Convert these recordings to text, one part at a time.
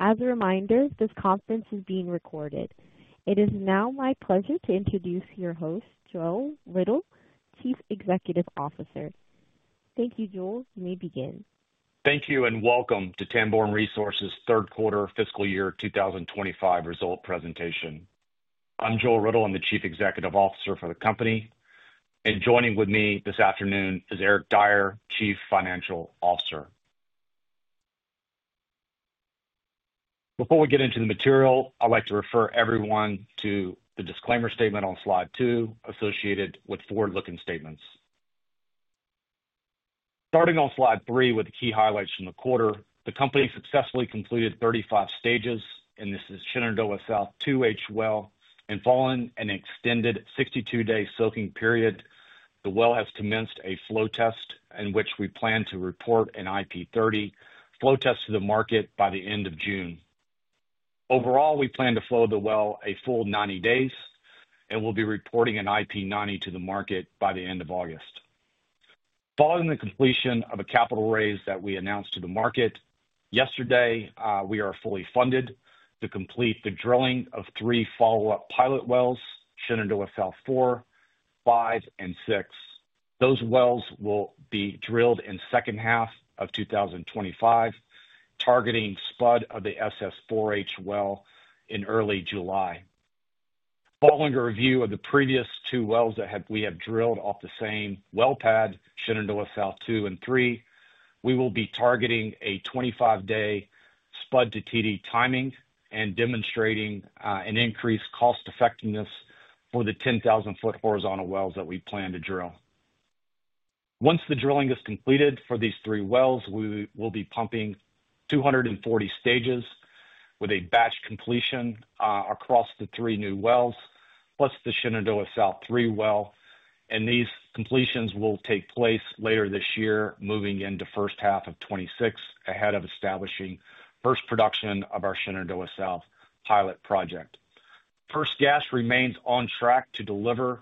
As a reminder, this conference is being recorded. It is now my pleasure to introduce your host, Joel Riddle, Chief Executive Officer. Thank you, Joel. You may begin. Thank you and welcome to Tamboran Resources' third quarter fiscal year 2025 result presentation. I'm Joel Riddle. I'm the Chief Executive Officer for the company. Joining with me this afternoon is Eric Dyer, Chief Financial Officer. Before we get into the material, I'd like to refer everyone to the disclaimer statement on slide two associated with forward-looking statements. Starting on slide three with the key highlights from the quarter, the company successfully completed 35 stages, and this is Shenandoah South 2H well. Following an extended 62-day soaking period, the well has commenced a flow test in which we plan to report an IP30 flow test to the market by the end of June. Overall, we plan to flow the well a full 90 days and will be reporting an IP90 to the market by the end of August. Following the completion of a capital raise that we announced to the market yesterday, we are fully funded to complete the drilling of three follow-up pilot wells, Shenandoah South 4, 5, and 6. Those wells will be drilled in the second half of 2025, targeting spud of the SS4H well in early July. Following a review of the previous two wells that we have drilled off the same well pad, Shenandoah South 2 and 3, we will be targeting a 25-day spud to TD timing and demonstrating an increased cost-effectiveness for the 10,000 ft horizontal wells that we plan to drill. Once the drilling is completed for these three wells, we will be pumping 240 stages with a batch completion across the three new wells, plus the Shenandoah South 3 well. These completions will take place later this year, moving into the first half of 2026, ahead of establishing the first production of our Shenandoah South Pilot Project. First Gas remains on track to deliver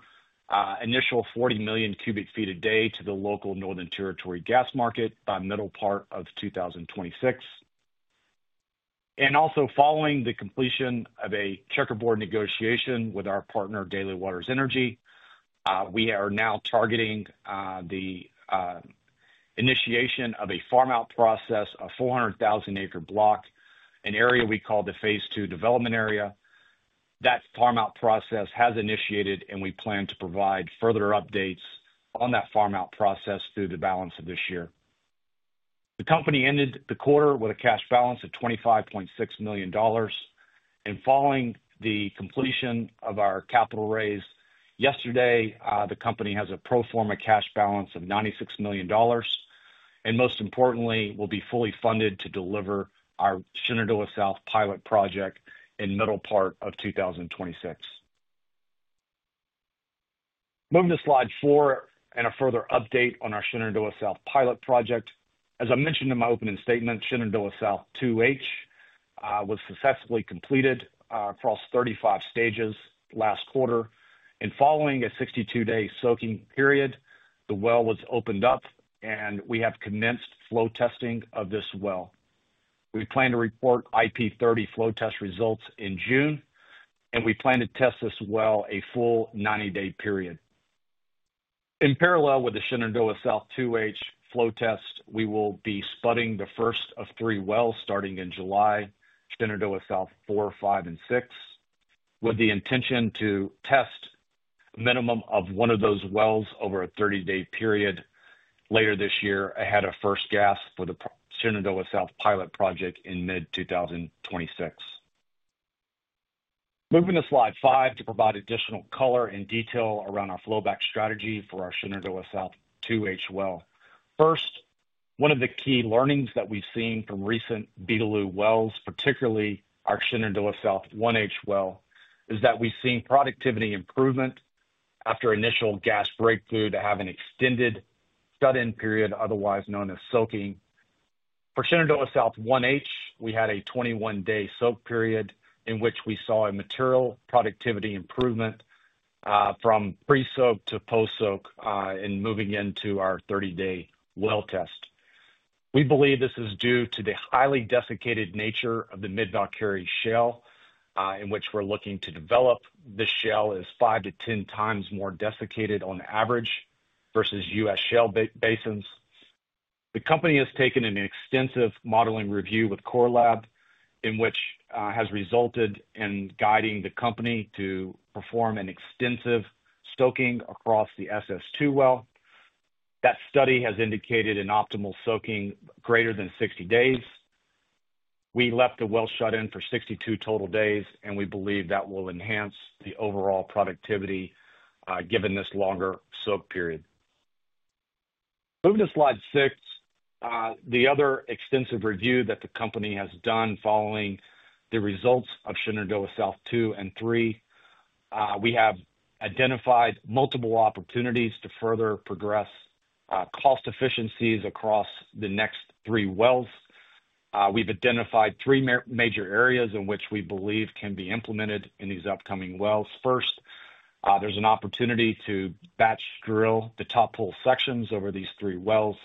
initial 40 million cubic feet a day to the local Northern Territory gas market by the middle part of 2026. Also, following the completion of a checkerboard negotiation with our partner, Daily Waters Energy, we are now targeting the initiation of a farm-out process of a 400,000-acre block, an area we call the phase two development area. That farm-out process has initiated, and we plan to provide further updates on that farm-out process through the balance of this year. The company ended the quarter with a cash balance of $25.6 million. Following the completion of our capital raise yesterday, the company has a pro forma cash balance of $96 million. Most importantly, we'll be fully funded to deliver our Shenandoah South Pilot Project in the middle part of 2026. Moving to slide four and a further update on our Shenandoah South Pilot Project. As I mentioned in my opening statement, Shenandoah South 2H was successfully completed across 35 stages last quarter. Following a 62-day soaking period, the well was opened up, and we have commenced flow testing of this well. We plan to report IP30 flow test results in June, and we plan to test this well a full 90-day period. In parallel with the Shenandoah South 2H flow test, we will be spudding the first of three wells starting in July, Shenandoah South 4, 5, and 6, with the intention to test a minimum of one of those wells over a 30-day period later this year ahead of first gas for the Shenandoah South Pilot Project in mid-2026. Moving to slide five to provide additional color and detail around our flowback strategy for our Shenandoah South 2H well. First, one of the key learnings that we've seen from recent Beetaloo wells, particularly our Shenandoah South 1H well, is that we've seen productivity improvement after initial gas breakthrough to have an extended shut-in period, otherwise known as soaking. For Shenandoah South 1H, we had a 21-day soak period in which we saw a material productivity improvement from pre-soak to post-soak and moving into our 30-day well test. We believe this is due to the highly desiccated nature of the Mid-Velkerri Shale in which we're looking to develop. This shale is 5-10 times more desiccated on average versus U.S. shale basins. The company has taken an extensive modeling review with CoreLab, which has resulted in guiding the company to perform an extensive soaking across the SS2 well. That study has indicated an optimal soaking greater than 60 days. We left the well shut in for 62 total days, and we believe that will enhance the overall productivity given this longer soak period. Moving to slide six, the other extensive review that the company has done following the results of Shenandoah South 2 and 3, we have identified multiple opportunities to further progress cost efficiencies across the next three wells. We've identified three major areas in which we believe can be implemented in these upcoming wells. First, there's an opportunity to batch drill the top hole sections over these three wells.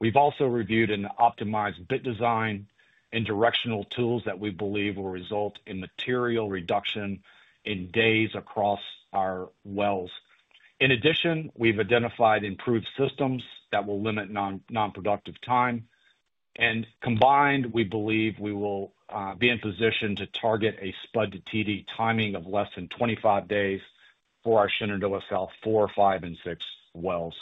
We've also reviewed an optimized bit design and directional tools that we believe will result in material reduction in days across our wells. In addition, we've identified improved systems that will limit non-productive time. Combined, we believe we will be in position to target a spud to TD timing of less than 25 days for our Shenandoah South 4, 5, and 6 wells.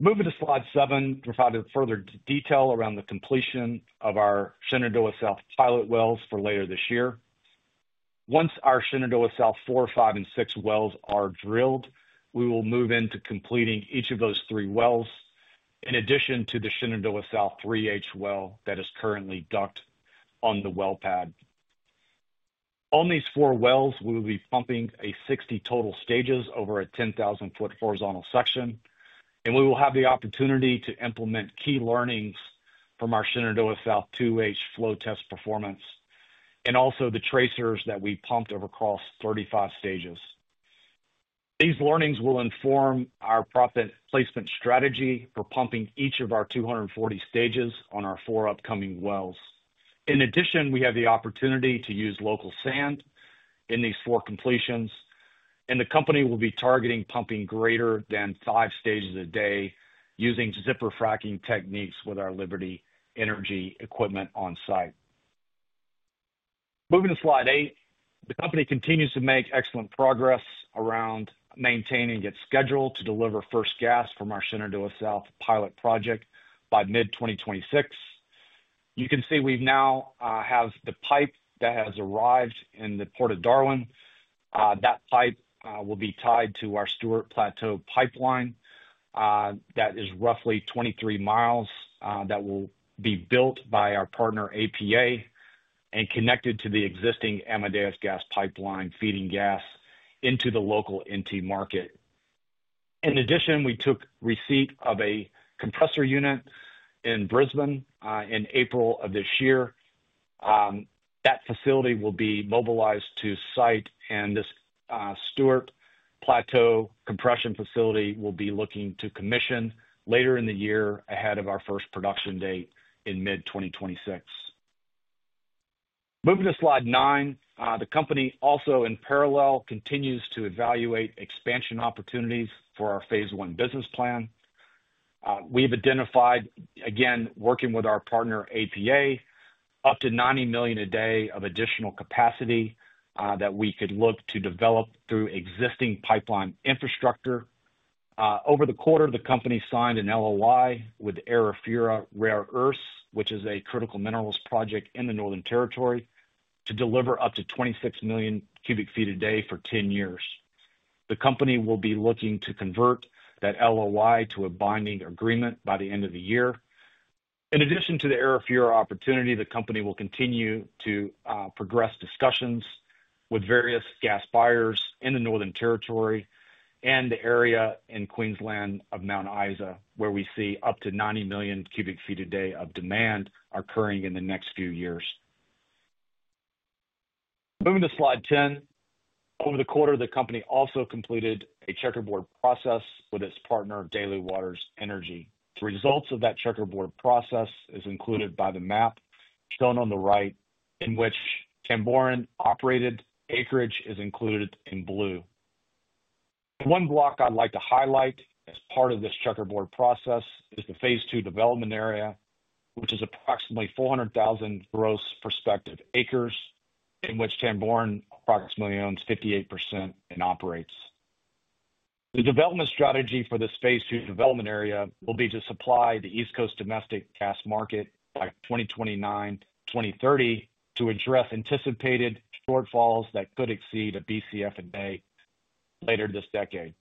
Moving to slide seven to provide further detail around the completion of our Shenandoah South pilot wells for later this year. Once our Shenandoah South 4, 5, and 6 wells are drilled, we will move into completing each of those three wells in addition to the Shenandoah South 3H well that is currently docked on the well pad. On these four wells, we will be pumping a total of 60 stages over a 10,000-foot horizontal section. We will have the opportunity to implement key learnings from our Shenandoah South 2H flow test performance and also the tracers that we pumped over across 35 stages. These learnings will inform our proppant placement strategy for pumping each of our 240 stages on our four upcoming wells. In addition, we have the opportunity to use local sand in these four completions. The company will be targeting pumping greater than five stages a day using zipper fracking techniques with our Liberty Energy equipment on site. Moving to slide eight, the company continues to make excellent progress around maintaining its schedule to deliver first gas from our Shenandoah South Pilot Project by mid-2026. You can see we now have the pipe that has arrived in the Port of Darwin. That pipe will be tied to our Stewart Plateau pipeline that is roughly 23 mi that will be built by our partner APA and connected to the existing Amadeus gas pipeline feeding gas into the local NT market. In addition, we took receipt of a compressor unit in Brisbane in April of this year. That facility will be mobilized to site, and this Stewart Plateau Compression Facility will be looking to commission later in the year ahead of our first production date in mid-2026. Moving to slide nine, the company also in parallel continues to evaluate expansion opportunities for our phase one business plan. We've identified, again, working with our partner APA, up to 90 million a day of additional capacity that we could look to develop through existing pipeline infrastructure. Over the quarter, the company signed an LOI with Arupura Rare Earths, which is a critical minerals project in the Northern Territory, to deliver up to 26 million cubic feet a day for 10 years. The company will be looking to convert that LOI to a binding agreement by the end of the year. In addition to the Arupura opportunity, the company will continue to progress discussions with various gas buyers in the Northern Territory and the area in Queensland of Mount Isa where we see up to 90 million cubic feet a day of demand occurring in the next few years. Moving to slide 10, over the quarter, the company also completed a checkerboard process with its partner Daily Waters Energy. The results of that checkerboard process are included by the map shown on the right, in which Tamboran operated. Acreage is included in blue. One block I'd like to highlight as part of this checkerboard process is the phase two development area, which is approximately 400,000 gross prospective acres, in which Tamboran approximately owns 58% and operates. The development strategy for this phase two development area will be to supply the East Coast domestic gas market by 2029-2030 to address anticipated shortfalls that could exceed a BCF a day later this decade.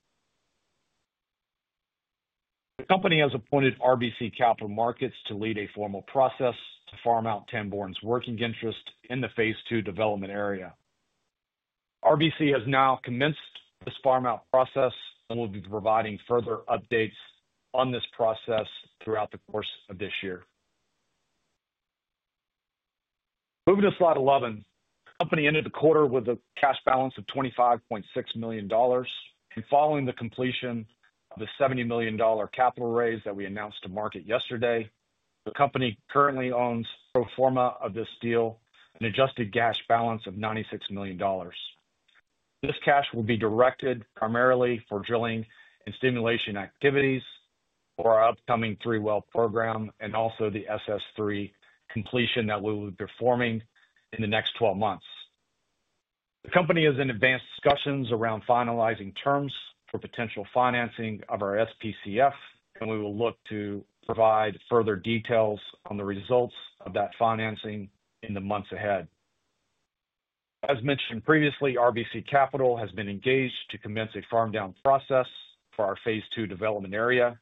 The company has appointed RBC Capital Markets to lead a formal process to farm out Tamboran's working interest in the phase two development area. RBC has now commenced this farm-out process and will be providing further updates on this process throughout the course of this year. Moving to slide 11, the company ended the quarter with a cash balance of $25.6 million. Following the completion of the $70 million capital raise that we announced to market yesterday, the company currently owns, pro forma of this deal, an adjusted gas balance of $96 million. This cash will be directed primarily for drilling and stimulation activities for our upcoming three-well program and also the SS3 completion that we will be performing in the next 12 months. The company is in advanced discussions around finalizing terms for potential financing of our SPCF, and we will look to provide further details on the results of that financing in the months ahead. As mentioned previously, RBC Capital Markets has been engaged to commence a farm-down process for our phase two development area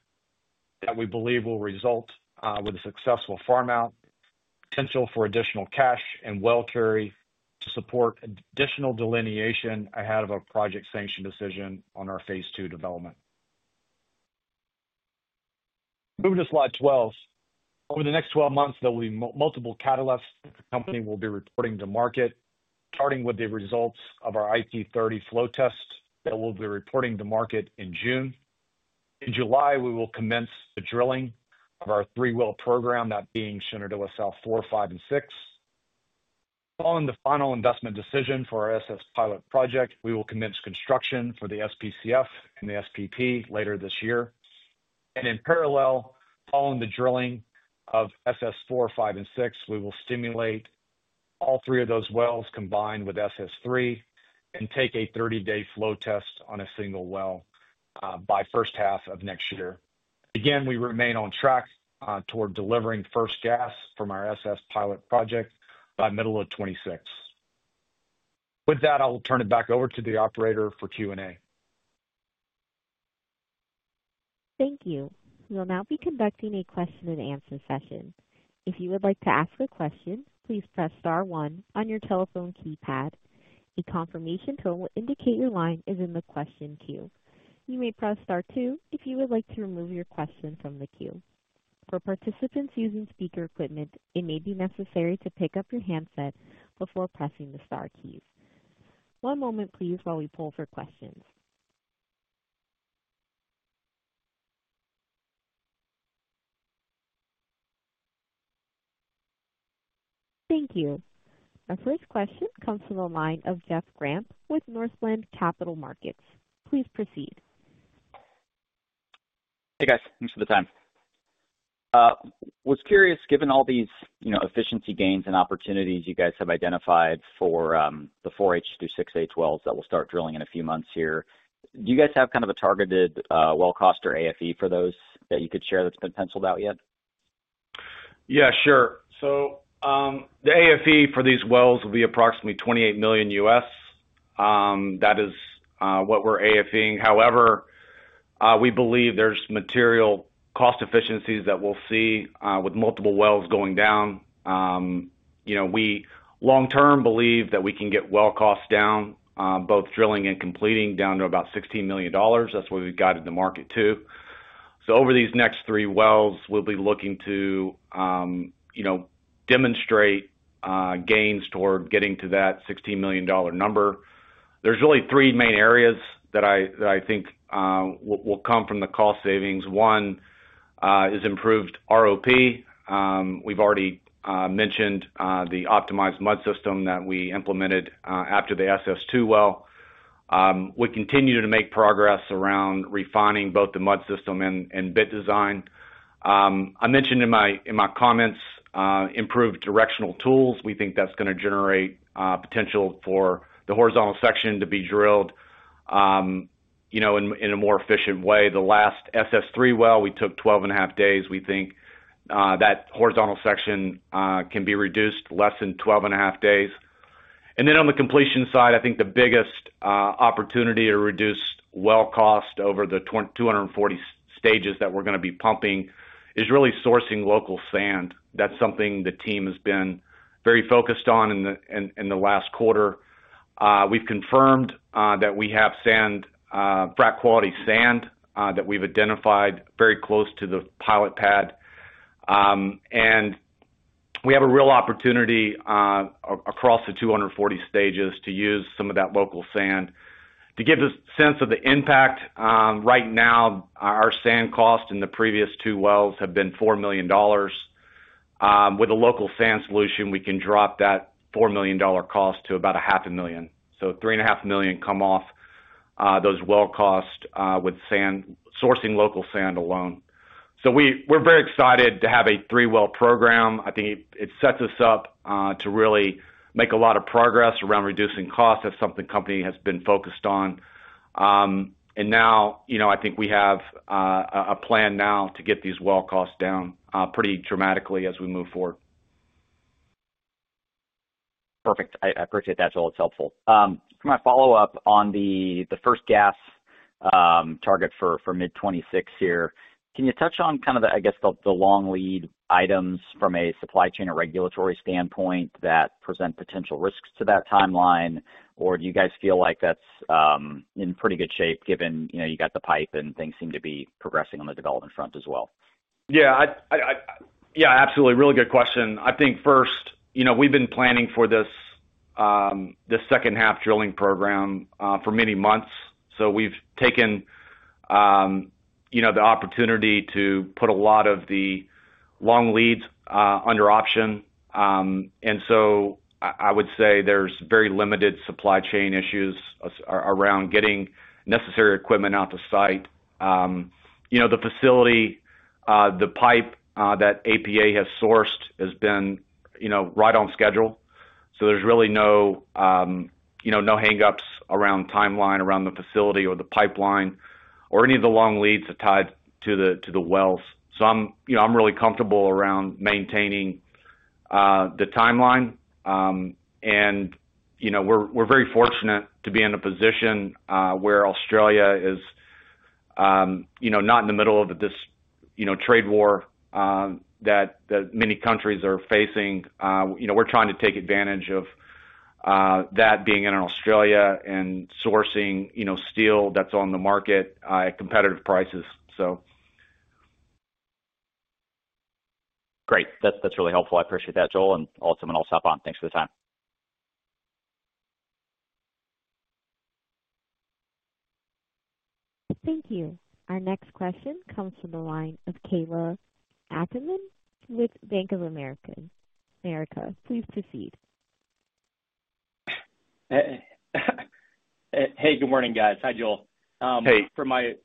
that we believe will result with a successful farm-out, potential for additional cash and well carry to support additional delineation ahead of a project sanction decision on our phase two development. Moving to slide 12, over the next 12 months, there will be multiple catalysts the company will be reporting to market, starting with the results of our IP30 flow test that we'll be reporting to market in June. In July, we will commence the drilling of our three-well program, that being Shenandoah South 4, 5, and 6. Following the final investment decision for our SS pilot project, we will commence construction for the SPCF and the SPP later this year. In parallel, following the drilling of SS4, 5, and 6, we will stimulate all three of those wells combined with SS3 and take a 30-day flow test on a single well by the first half of next year. Again, we remain on track toward delivering first gas from our SS pilot project by the middle of 2026. With that, I will turn it back over to the operator for Q&A. Thank you. We'll now be conducting a question-and-answer session. If you would like to ask a question, please press star one on your telephone keypad. A confirmation tone will indicate your line is in the question queue. You may press star two if you would like to remove your question from the queue. For participants using speaker equipment, it may be necessary to pick up your handset before pressing the star keys. One moment, please, while we pull for questions. Thank you. Our first question comes from the line of Jeff Grampp with Northland Capital Markets. Please proceed. Hey, guys. Thanks for the time. I was curious, given all these efficiency gains and opportunities you guys have identified for the 4H through 6H wells that will start drilling in a few months here, do you guys have kind of a targeted well cost or AFE for those that you could share that's been penciled out yet? Yeah, sure. So the AFE for these wells will be approximately $28 million US. That is what we're AFEing. However, we believe there's material cost efficiencies that we'll see with multiple wells going down. We long-term believe that we can get well costs down, both drilling and completing, down to about $16 million. That's what we've guided the market to. Over these next three wells, we'll be looking to demonstrate gains toward getting to that $16 million number. There's really three main areas that I think will come from the cost savings. One is improved ROP. We've already mentioned the optimized mud system that we implemented after the SS2 well. We continue to make progress around refining both the mud system and bit design. I mentioned in my comments improved directional tools. We think that's going to generate potential for the horizontal section to be drilled in a more efficient way. The last SS3 well, we took 12.5 days. We think that horizontal section can be reduced to less than 12.5 days. On the completion side, I think the biggest opportunity to reduce well cost over the 240 stages that we're going to be pumping is really sourcing local sand. That's something the team has been very focused on in the last quarter. We've confirmed that we have frac quality sand that we've identified very close to the pilot pad. We have a real opportunity across the 240 stages to use some of that local sand. To give a sense of the impact, right now, our sand cost in the previous two wells has been $4 million. With a local sand solution, we can drop that $4 million cost to about $500,000. So $3.5 million come off those well costs with sourcing local sand alone. We are very excited to have a three-well program. I think it sets us up to really make a lot of progress around reducing costs. That is something the company has been focused on. I think we have a plan now to get these well costs down pretty dramatically as we move forward. Perfect. I appreciate that. It is helpful. For my follow-up on the first gas target for mid-2026 here, can you touch on kind of the, I guess, the long lead items from a supply chain or regulatory standpoint that present potential risks to that timeline? Or do you guys feel like that's in pretty good shape given you got the pipe and things seem to be progressing on the development front as well? Yeah. Yeah, absolutely. Really good question. I think first, we've been planning for this second-half drilling program for many months. So we've taken the opportunity to put a lot of the long leads under option. And so I would say there's very limited supply chain issues around getting necessary equipment out to site. The facility, the pipe that APA has sourced has been right on schedule. There's really no hang-ups around timeline around the facility or the pipeline or any of the long leads tied to the wells. I'm really comfortable around maintaining the timeline. We're very fortunate to be in a position where Australia is not in the middle of this trade war that many countries are facing. We're trying to take advantage of that being in Australia and sourcing steel that's on the market at competitive prices. Great. That's really helpful. I appreciate that, Joel. I'll stop on. Thanks for the time. Thank you. Our next question comes from the line of Kayla Ackerman with Bank of America. Please proceed. Hey, good morning, guys. Hi, Joel. For my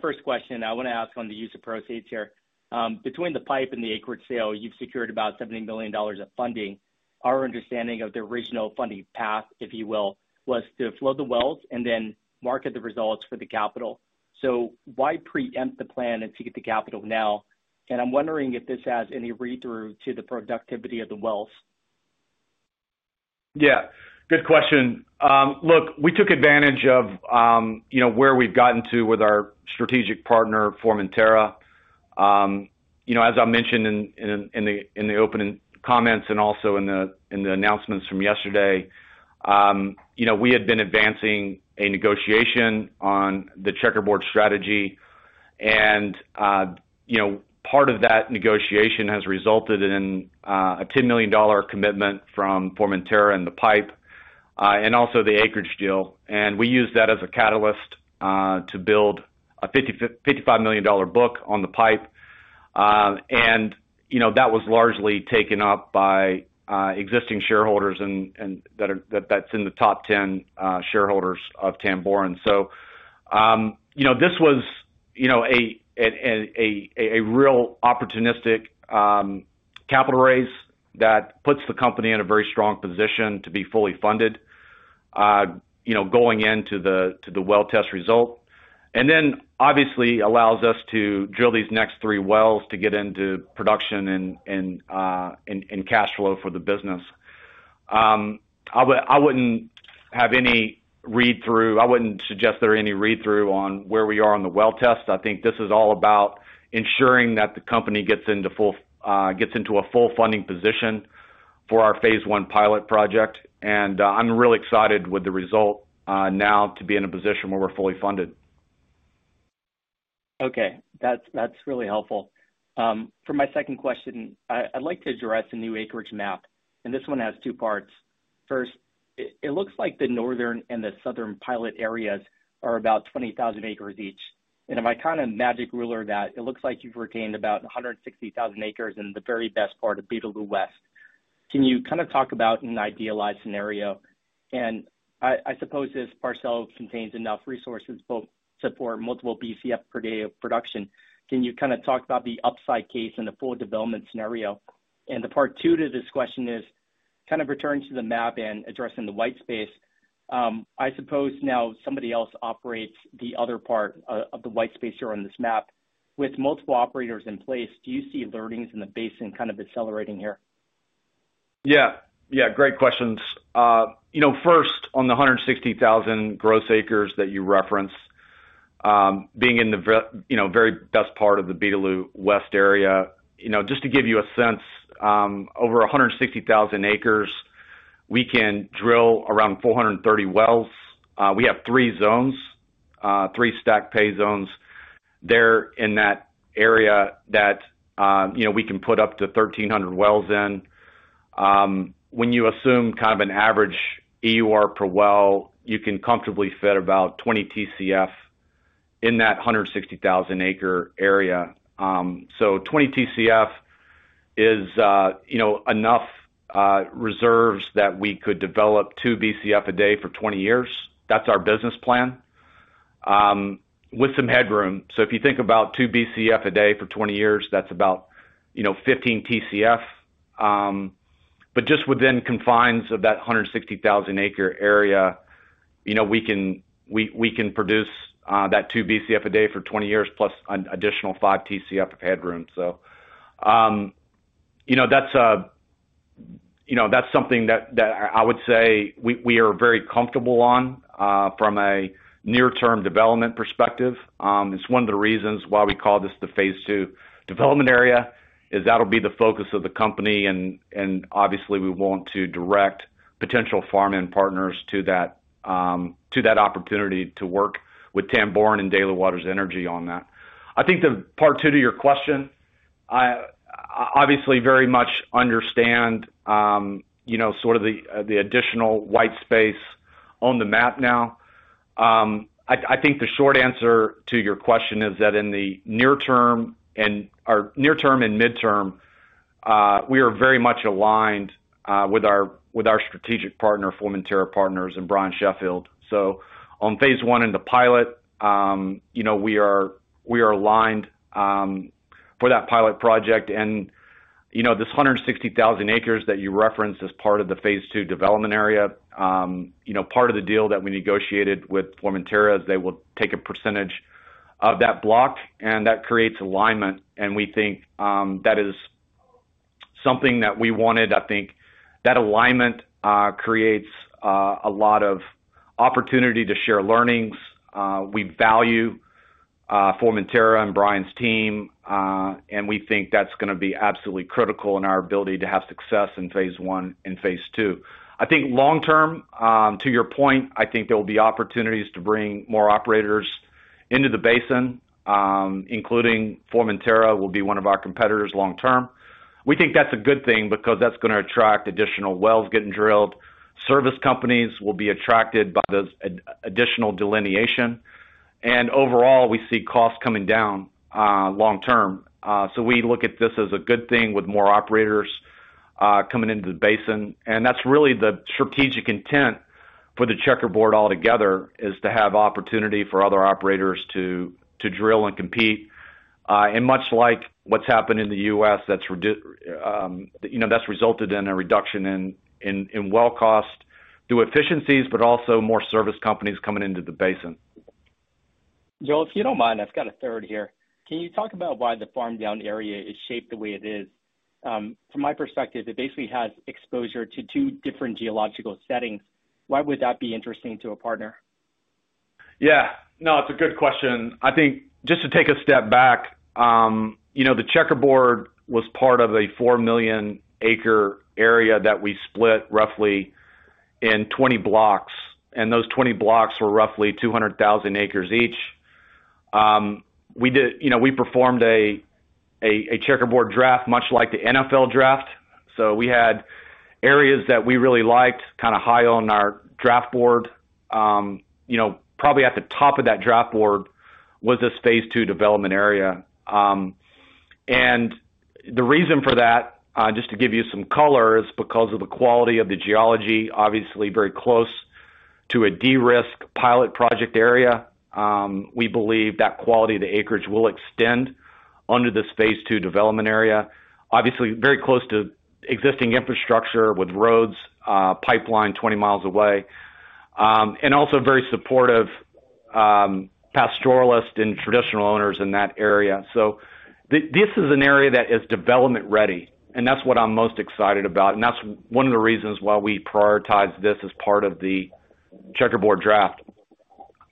first question, I want to ask on the use of proceeds here. Between the pipe and the acreage sale, you've secured about $70 million of funding. Our understanding of the original funding path, if you will, was to flood the wells and then market the results for the capital. So why preempt the plan and seek the capital now? I'm wondering if this has any read-through to the productivity of the wells. Yeah. Good question. Look, we took advantage of where we've gotten to with our strategic partner, Formentera. As I mentioned in the opening comments and also in the announcements from yesterday, we had been advancing a negotiation on the checkerboard strategy. Part of that negotiation has resulted in a $10 million commitment from Formentera and the pipe and also the acreage deal. We used that as a catalyst to build a $55 million book on the pipe. That was largely taken up by existing shareholders that's in the top 10 shareholders of Tamboran. This was a real opportunistic capital raise that puts the company in a very strong position to be fully funded going into the well test result. Obviously, it allows us to drill these next three wells to get into production and cash flow for the business. I would not have any read-through. I would not suggest there are any read-through on where we are on the well test. I think this is all about ensuring that the company gets into a full funding position for our phase one pilot project. I am really excited with the result now to be in a position where we are fully funded. Okay. That is really helpful. For my second question, I would like to address a new acreage map. This one has two parts. First, it looks like the northern and the southern pilot areas are about 20,000 acres each. If I kind of magic rule over that, it looks like you've retained about 160,000 acres in the very best part of Beetaloo West. Can you kind of talk about an idealized scenario? I suppose this parcel contains enough resources both to support multiple BCF per day of production. Can you kind of talk about the upside case and the full development scenario? The part two to this question is kind of returning to the map and addressing the white space. I suppose now somebody else operates the other part of the white space here on this map. With multiple operators in place, do you see learnings in the basin kind of accelerating here? Yeah. Yeah. Great questions. First, on the 160,000 gross acres that you referenced, being in the very best part of the Beetaloo west area, just to give you a sense, over 160,000 acres, we can drill around 430 wells. We have three zones, three stack pay zones. They're in that area that we can put up to 1,300 wells in. When you assume kind of an average EUR per well, you can comfortably fit about 20 TCF in that 160,000-acre area. 20 TCF is enough reserves that we could develop 2 BCF a day for 20 years. That's our business plan with some headroom. If you think about 2 BCF a day for 20 years, that's about 15 TCF. Just within confines of that 160,000-acre area, we can produce that 2 BCF a day for 20 years plus an additional 5 TCF of headroom. That's something that I would say we are very comfortable on from a near-term development perspective. It's one of the reasons why we call this the phase two development area, as that'll be the focus of the company. Obviously, we want to direct potential farm-in partners to that opportunity to work with Tamboran and Daily Waters Energy on that. I think the part two to your question, I obviously very much understand sort of the additional white space on the map now. I think the short answer to your question is that in the near term and midterm, we are very much aligned with our strategic partner, Formentera Partners, and Brian Sheffield. On phase one in the pilot, we are aligned for that pilot project. This 160,000 acres that you referenced as part of the phase two development area, part of the deal that we negotiated with Formentera, is they will take a percentage of that block. That creates alignment. We think that is something that we wanted. I think that alignment creates a lot of opportunity to share learnings. We value Formentera and Brian's team. We think that's going to be absolutely critical in our ability to have success in phase one and phase two. I think long-term, to your point, there will be opportunities to bring more operators into the basin, including Formentera, which will be one of our competitors long-term. We think that's a good thing because that's going to attract additional wells getting drilled. Service companies will be attracted by this additional delineation. Overall, we see costs coming down long-term. We look at this as a good thing with more operators coming into the basin. That is really the strategic intent for the checkerboard altogether, to have opportunity for other operators to drill and compete. Much like what has happened in the US, that has resulted in a reduction in well cost through efficiencies, but also more service companies coming into the basin. Joel, if you do not mind, I have got a third here. Can you talk about why the farm down area is shaped the way it is? From my perspective, it basically has exposure to two different geological settings. Why would that be interesting to a partner? Yeah. No, it is a good question. I think just to take a step back, the checkerboard was part of a 4 million acre area that we split roughly in 20 blocks. Those 20 blocks were roughly 200,000 acres each. We performed a checkerboard draft much like the NFL draft. We had areas that we really liked kind of high on our draft board. Probably at the top of that draft board was this phase two development area. The reason for that, just to give you some color, is because of the quality of the geology, obviously very close to a de-risk pilot project area. We believe that quality of the acreage will extend under this phase two development area, obviously very close to existing infrastructure with roads, pipeline 20 mi away, and also very supportive pastoralist and traditional owners in that area. This is an area that is development ready. That is what I am most excited about. That is one of the reasons why we prioritized this as part of the checkerboard draft.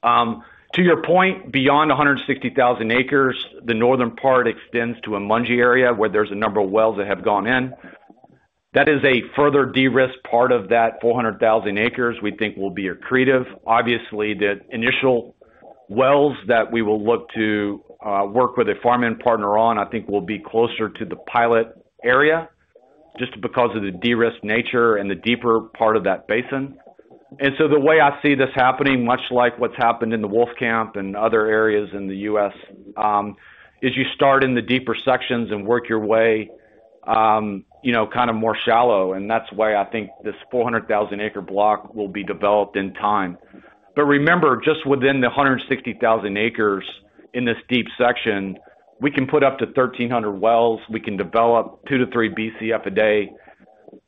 To your point, beyond 160,000 acres, the northern part extends to a Munchy area where there's a number of wells that have gone in. That is a further de-risked part of that 400,000 acres we think will be accretive. Obviously, the initial wells that we will look to work with a farm-in partner on, I think, will be closer to the pilot area just because of the de-risked nature and the deeper part of that basin. The way I see this happening, much like what's happened in the Wolfcamp and other areas in the U.S., is you start in the deeper sections and work your way kind of more shallow. That is why I think this 400,000-acre block will be developed in time. Remember, just within the 160,000 acres in this deep section, we can put up to 1,300 wells. We can develop two to three BCF a day.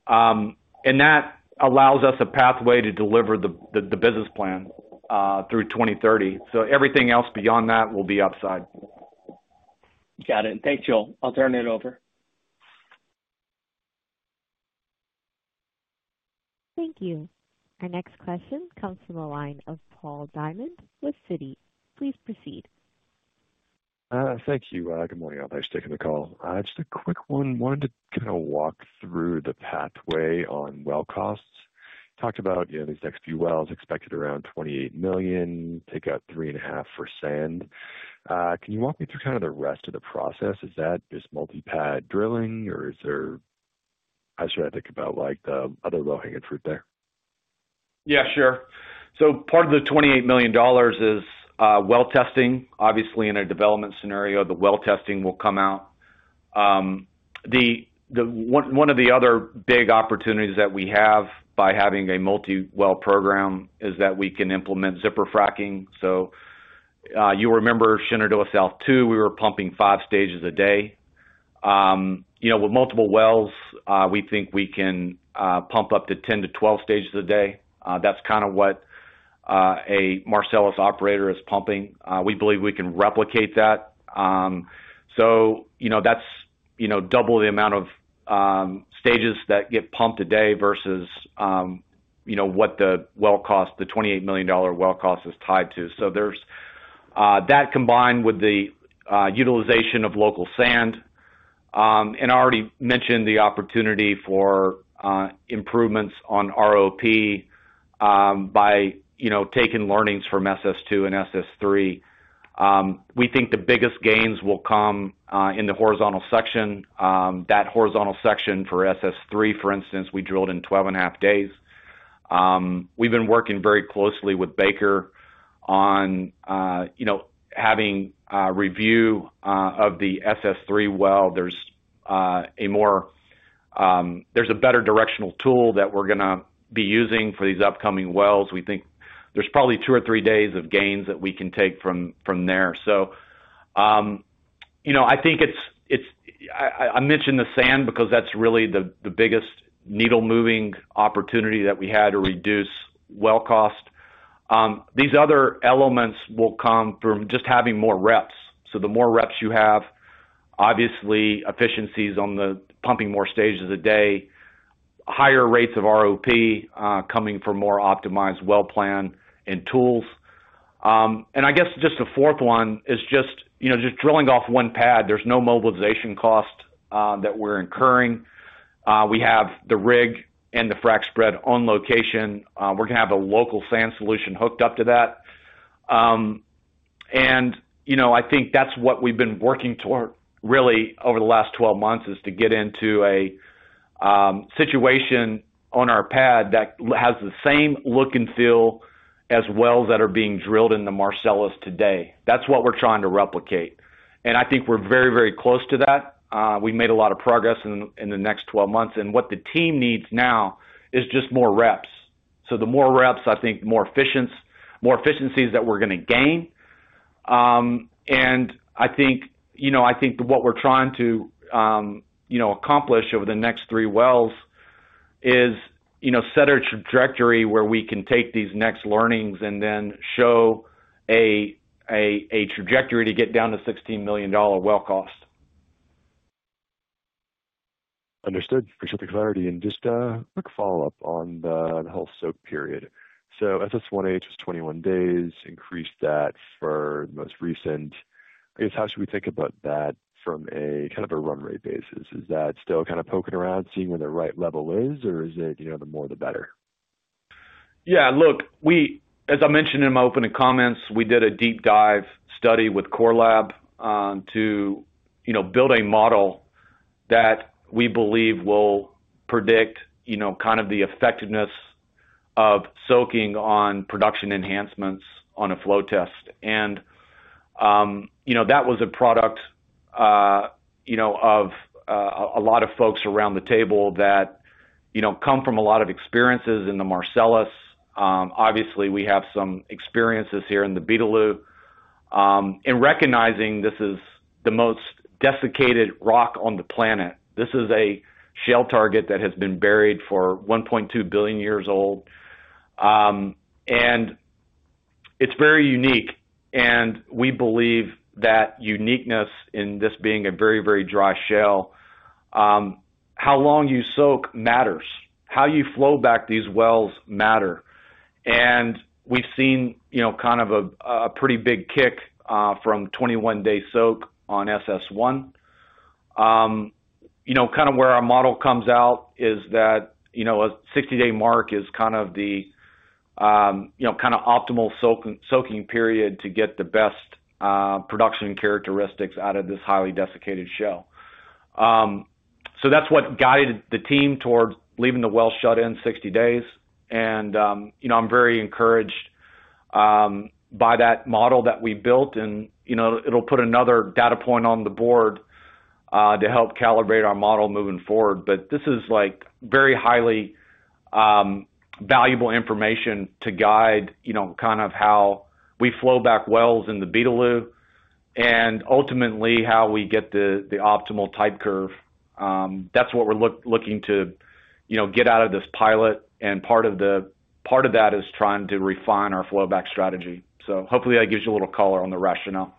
And that allows us a pathway to deliver the business plan through 2030. So everything else beyond that will be upside. Got it. Thanks, Joel. I'll turn it over. Thank you. Our next question comes from the line of Paul Diamond with City. Please proceed. Thank you. Good morning, Alex. Thanks for taking the call. Just a quick one. I wanted to kind of walk through the pathway on well costs. Talked about these next few wells expected around $28 million, take out $3.5 million for sand. Can you walk me through kind of the rest of the process? Is that just multi-pad drilling, or is there—I should think about the other low-hanging fruit there. Yeah, sure. So part of the $28 million is well testing. Obviously, in a development scenario, the well testing will come out. One of the other big opportunities that we have by having a multi-well program is that we can implement zipper fracking. You remember Shenandoah South 2, we were pumping five stages a day. With multiple wells, we think we can pump up to 10-12 stages a day. That is kind of what a Marcellus operator is pumping. We believe we can replicate that. That is double the amount of stages that get pumped a day versus what the well cost, the $28 million well cost, is tied to. That combined with the utilization of local sand. I already mentioned the opportunity for improvements on ROP by taking learnings from SS2 and SS3. We think the biggest gains will come in the horizontal section. That horizontal section for SS3, for instance, we drilled in 12.5 days. We've been working very closely with Baker on having review of the SS3 well. There's a better directional tool that we're going to be using for these upcoming wells. We think there's probably two or three days of gains that we can take from there. I think it's—I mentioned the sand because that's really the biggest needle-moving opportunity that we had to reduce well cost. These other elements will come from just having more reps. The more reps you have, obviously, efficiencies on the pumping, more stages a day, higher rates of ROP coming from more optimized well plan and tools. I guess just the fourth one is just drilling off one pad. There's no mobilization cost that we're incurring. We have the rig and the frac spread on location. We're going to have a local sand solution hooked up to that. I think that is what we have been working toward really over the last 12 months, to get into a situation on our pad that has the same look and feel as wells that are being drilled in the Marcellus today. That is what we are trying to replicate. I think we are very, very close to that. We have made a lot of progress in the last 12 months. What the team needs now is just more reps. The more reps, I think, the more efficiencies that we are going to gain. I think what we are trying to accomplish over the next three wells is set a trajectory where we can take these next learnings and then show a trajectory to get down to $16 million well cost. Understood. Appreciate the clarity. Just a quick follow-up on the whole soak period. SS1H was 21 days, increased that for the most recent. I guess how should we think about that from a kind of a runway basis? Is that still kind of poking around, seeing where the right level is, or is it the more the better? Yeah. Look, as I mentioned in my opening comments, we did a deep dive study with CoreLab to build a model that we believe will predict kind of the effectiveness of soaking on production enhancements on a flow test. That was a product of a lot of folks around the table that come from a lot of experiences in the Marcellus. Obviously, we have some experiences here in the Beetaloo. Recognizing this is the most desiccated rock on the planet, this is a shale target that has been buried for 1.2 billion years. It is very unique. We believe that uniqueness in this being a very, very dry shale, how long you soak matters. How you flow back these wells matters. We have seen kind of a pretty big kick from 21-day soak on SS1. Kind of where our model comes out is that a 60-day mark is kind of the optimal soaking period to get the best production characteristics out of this highly desiccated shale. That is what guided the team towards leaving the well shut in 60 days. I am very encouraged by that model that we built. It will put another data point on the board to help calibrate our model moving forward. This is very highly valuable information to guide kind of how we flow back wells in the Beetaloo and ultimately how we get the optimal type curve. That's what we're looking to get out of this pilot. Part of that is trying to refine our flowback strategy. Hopefully, that gives you a little color on the rationale.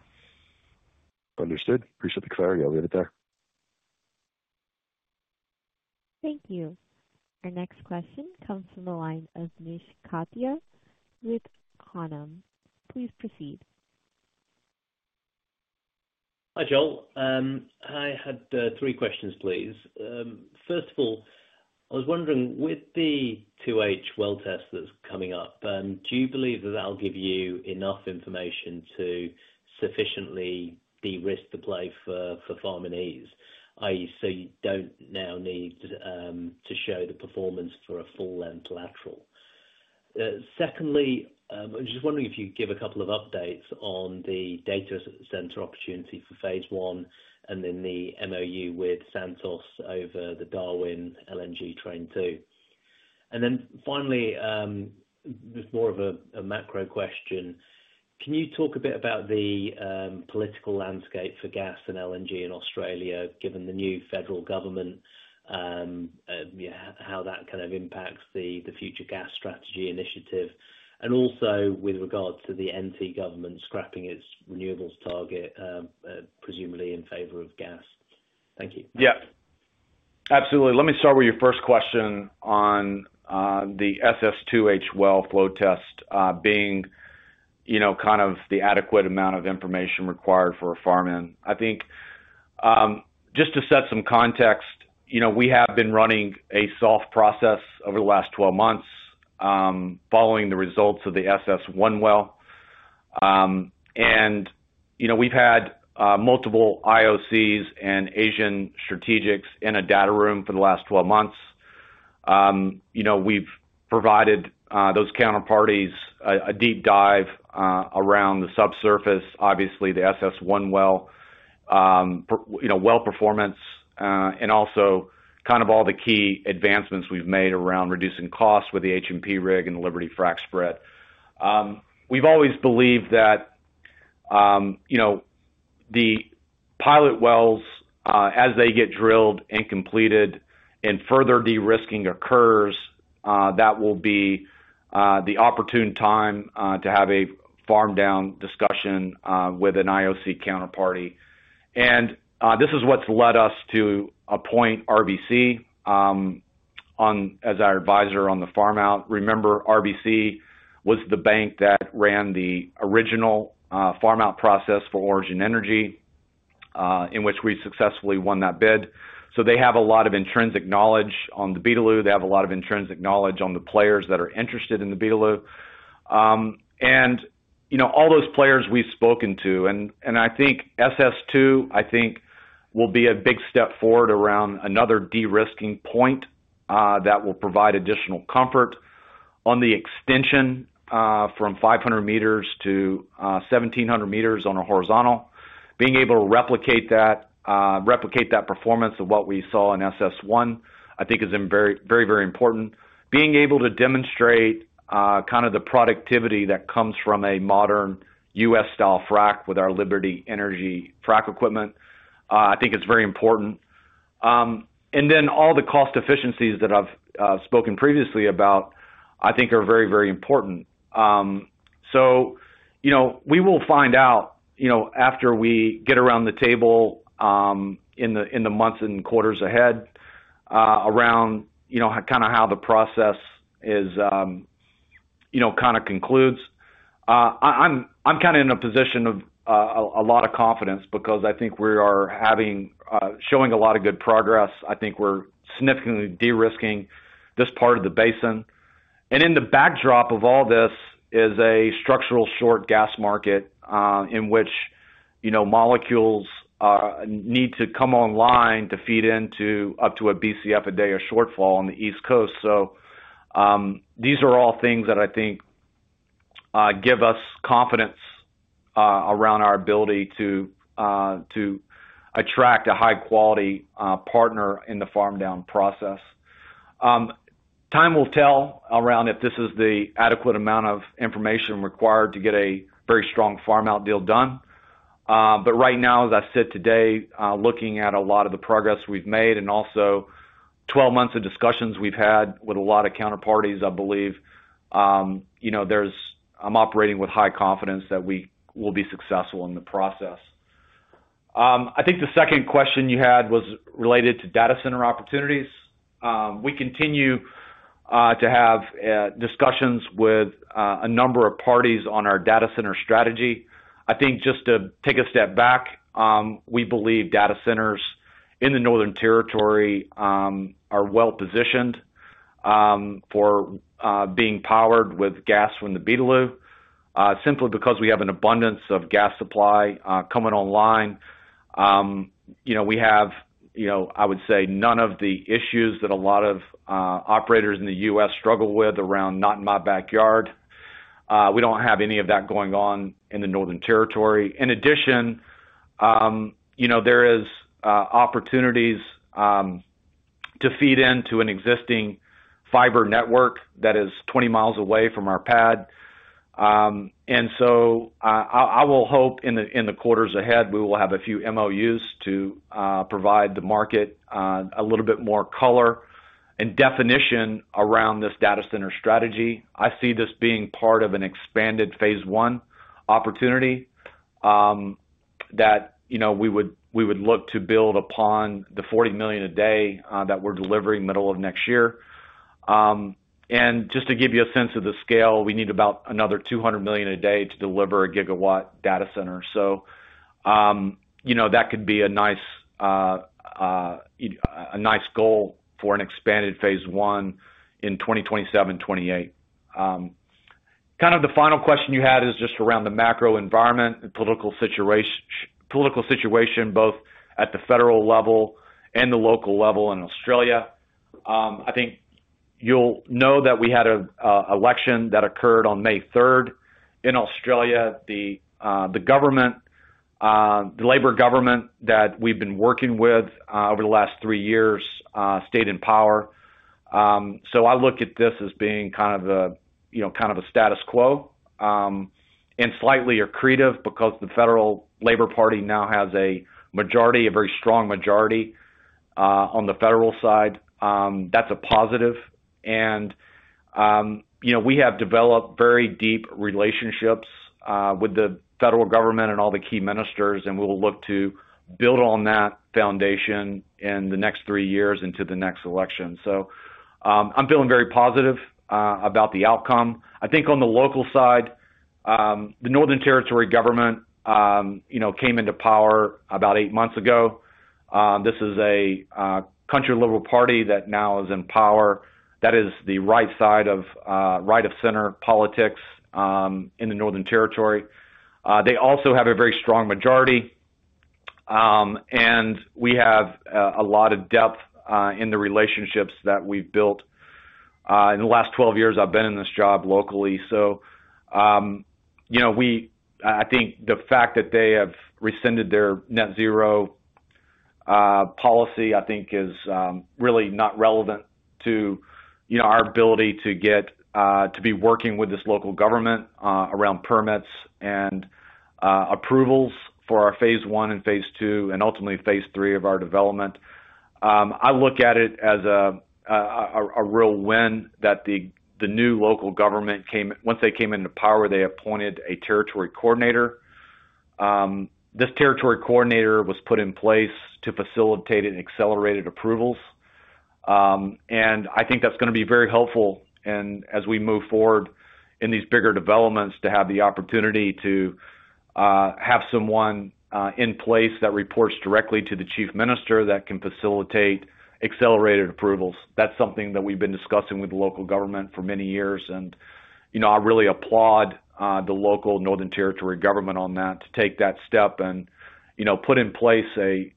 Understood. Appreciate the clarity. I'll leave it there. Thank you. Our next question comes from the line of Nish Katya with Conam. Please proceed. Hi, Joel. I had three questions, please. First of all, I was wondering, with the 2H well test that's coming up, do you believe that that'll give you enough information to sufficiently de-risk the play for farming ease, i.e., so you don't now need to show the performance for a full-length lateral? Secondly, I was just wondering if you could give a couple of updates on the data center opportunity for phase one and then the MOU with Santos over the Darwin LNG train too. And then finally, with more of a macro question, can you talk a bit about the political landscape for gas and LNG in Australia, given the new federal government, how that kind of impacts the future gas strategy initiative, and also with regard to the NT government scrapping its renewables target, presumably in favor of gas? Thank you. Yeah. Absolutely. Let me start with your first question on the SS2H well flow test being kind of the adequate amount of information required for a farm in. I think just to set some context, we have been running a soft process over the last 12 months following the results of the SS1 well. And we've had multiple IOCs and Asian strategics in a data room for the last 12 months. We've provided those counterparties a deep dive around the subsurface, obviously the SS1 well, well performance, and also kind of all the key advancements we've made around reducing cost with the HMP rig and the Liberty frac spread. We've always believed that the pilot wells, as they get drilled and completed and further de-risking occurs, that will be the opportune time to have a farm down discussion with an IOC counterparty. This is what's led us to appoint RBC Capital Markets as our advisor on the farm out. Remember, RBC Capital Markets was the bank that ran the original farm out process for Origin Energy in which we successfully won that bid. They have a lot of intrinsic knowledge on the Beetaloo. They have a lot of intrinsic knowledge on the players that are interested in the Beetaloo. All those players we've spoken to, and I think SS2, I think, will be a big step forward around another de-risking point that will provide additional comfort on the extension from 500 meters to 1,700 meters on a horizontal. Being able to replicate that performance of what we saw in SS1, I think, is very, very important. Being able to demonstrate kind of the productivity that comes from a modern US-style frac with our Liberty Energy frac equipment, I think, is very important. All the cost efficiencies that I've spoken previously about, I think, are very, very important. We will find out after we get around the table in the months and quarters ahead around kind of how the process kind of concludes. I'm kind of in a position of a lot of confidence because I think we are showing a lot of good progress. I think we're significantly de-risking this part of the basin. In the backdrop of all this is a structural short gas market in which molecules need to come online to feed into up to a BCF a day or shortfall on the East Coast. These are all things that I think give us confidence around our ability to attract a high-quality partner in the farm down process. Time will tell if this is the adequate amount of information required to get a very strong farm out deal done. Right now, as I said today, looking at a lot of the progress we've made and also 12 months of discussions we've had with a lot of counterparties, I believe I'm operating with high confidence that we will be successful in the process. I think the second question you had was related to data center opportunities. We continue to have discussions with a number of parties on our data center strategy. I think just to take a step back, we believe data centers in the Northern Territory are well positioned for being powered with gas from the Beetaloo simply because we have an abundance of gas supply coming online. We have, I would say, none of the issues that a lot of operators in the U.S. struggle with around not in my backyard. We do not have any of that going on in the Northern Territory. In addition, there are opportunities to feed into an existing fiber network that is 20 mi away from our pad. I will hope in the quarters ahead we will have a few MOUs to provide the market a little bit more color and definition around this data center strategy. I see this being part of an expanded phase one opportunity that we would look to build upon the 40 million a day that we're delivering middle of next year. Just to give you a sense of the scale, we need about another 200 million a day to deliver a gigawatt data center. That could be a nice goal for an expanded phase one in 2027, 2028. Kind of the final question you had is just around the macro environment and political situation, both at the federal level and the local level in Australia. I think you'll know that we had an election that occurred on May 3 in Australia. The Labor government that we've been working with over the last three years stayed in power. I look at this as being kind of a status quo and slightly accretive because the federal Labor Party now has a majority, a very strong majority on the federal side. That's a positive. We have developed very deep relationships with the federal government and all the key ministers, and we will look to build on that foundation in the next three years into the next election. I'm feeling very positive about the outcome. I think on the local side, the Northern Territory government came into power about eight months ago. This is a Country Liberal Party that now is in power. That is the right side of right-of-center politics in the Northern Territory. They also have a very strong majority, and we have a lot of depth in the relationships that we've built. In the last 12 years, I've been in this job locally. I think the fact that they have rescinded their net zero policy is really not relevant to our ability to be working with this local government around permits and approvals for our phase one and phase two and ultimately phase three of our development. I look at it as a real win that the new local government, once they came into power, appointed a territory coordinator. This territory coordinator was put in place to facilitate and accelerate approvals. I think that's going to be very helpful as we move forward in these bigger developments to have the opportunity to have someone in place that reports directly to the chief minister that can facilitate accelerated approvals. That's something that we've been discussing with the local government for many years. I really applaud the local Northern Territory government on that to take that step and put in place a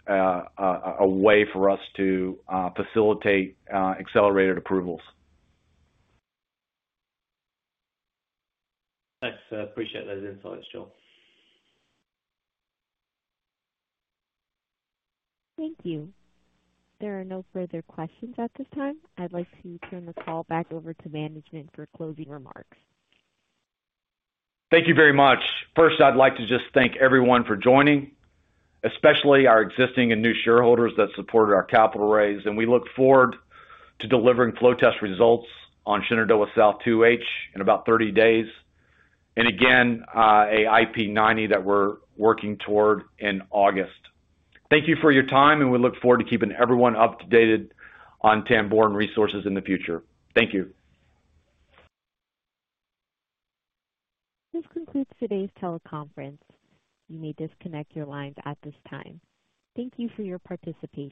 way for us to facilitate accelerated approvals. Thanks. Appreciate those insights, Joel. Thank you. There are no further questions at this time. I'd like to turn the call back over to management for closing remarks. Thank you very much. First, I'd like to just thank everyone for joining, especially our existing and new shareholders that supported our capital raise. We look forward to delivering flow test results on Shenandoah South 2H in about 30 days and, again, a IP90 that we're working toward in August. Thank you for your time, and we look forward to keeping everyone updated on Tamboran Resources in the future. Thank you. This concludes today's teleconference. You may disconnect your lines at this time. Thank you for your participation.